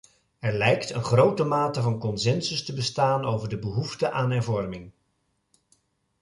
Er lijkt een grote mate van consensus te bestaan over de behoefte aan hervorming.